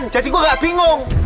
jadi gue gak bingung